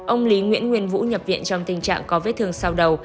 ông lý nguyễn nguyên vũ nhập viện trong tình trạng có vết thương sau đầu